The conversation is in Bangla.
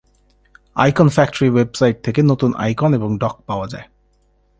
আইকনফ্যাক্টরি ওয়েবসাইট থেকে নতুন আইকন এবং ডক পাওয়া যায়।